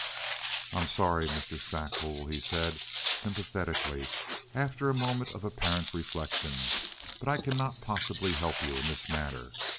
"I'm sorry, Mr. Stackpole," he said, sympathetically, after a moment of apparent reflection, "but I cannot possibly help you in this matter.